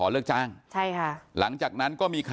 ลองฟังเสียงช่วงนี้ดูค่ะ